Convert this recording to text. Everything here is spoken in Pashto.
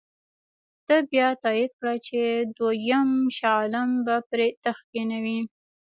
ده بیا تایید کړه چې دوهم شاه عالم به پر تخت کښېنوي.